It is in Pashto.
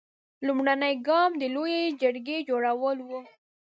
لومړنی ګام د لویې جرګې جوړول و.